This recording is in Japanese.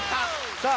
さあ